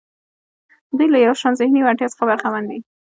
دوی له یو شان ذهني وړتیا څخه برخمن دي.